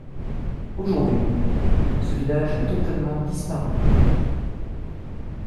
Aujourd’hui, ce village a totalement disparu.